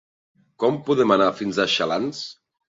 Com podem anar fins a Xalans?